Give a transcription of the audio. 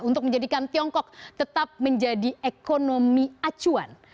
untuk menjadikan tiongkok tetap menjadi ekonomi acuan